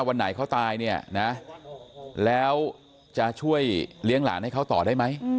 วันไหนเขาตายเนี่ยนะแล้วจะช่วยเลี้ยงหลานให้เขาต่อได้ไหม